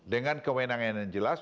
dengan kewenangan yang jelas